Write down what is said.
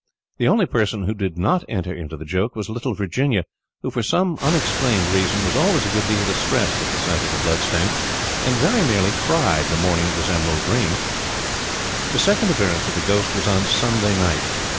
The only person who did not enter into the joke was little Virginia, who, for some unexplained reason, was always a good deal distressed at the sight of the blood stain, and very nearly cried the morning it was emerald green. The second appearance of the ghost was on Sunday night.